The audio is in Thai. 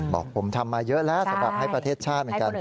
บอกผมทำมาเยอะแล้วสำหรับให้ประเทศชาติเหมือนกัน